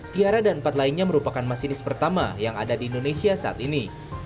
tiara dan empat lainnya merupakan masinis pertama yang ada di indonesia saat ini